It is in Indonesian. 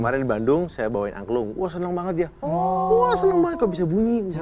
marah di bandung saya bawain angklung wah senang banget ya oh senang banget kok bisa bunyi bisa